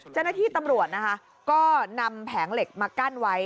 เจ้าหน้าที่ตำรวจนะคะก็นำแผงเหล็กมากั้นไว้